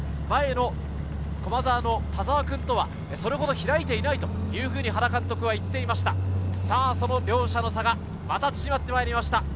前の駒澤の田澤君とはそれほど開いていないと原監督は言っていました。両者の差がまた縮まってきました。